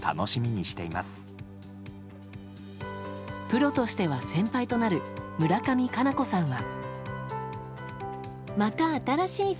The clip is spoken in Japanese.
プロとしては先輩となる村上佳菜子さんは。